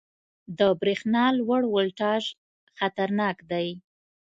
• د برېښنا لوړ ولټاژ خطرناک دی.